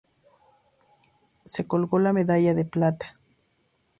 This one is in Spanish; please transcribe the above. Se colgó la medalla de plata.